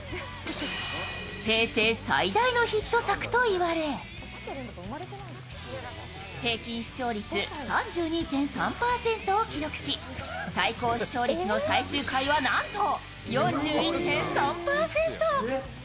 平成最大のヒット作と言われ平均視聴率３２．３％を記録し最高視聴率の最終回は、なんと４１．３％！